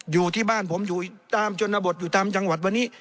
อยู่ที่บ้านผมอยู่ตามชนบทอยู่ตามจังหวัดวันนี้